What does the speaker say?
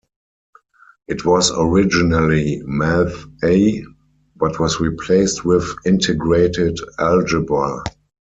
It was originally "Math A," but was replaced with "Integrated Algebra.